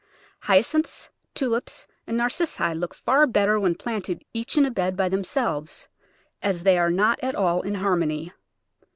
Hyacinths, Tulips, and Narcissi look far better when planted each in a bed by themselves, as they are not at all in harmony.